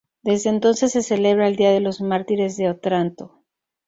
Desde entonces se celebra el día de los Mártires de Otranto.